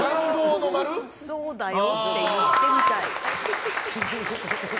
そうだよって言ってみたい。